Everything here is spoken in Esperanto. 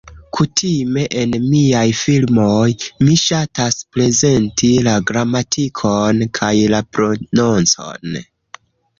Kutime en miaj filmoj, mi ŝatas prezenti la gramatikon, kaj la prononcon.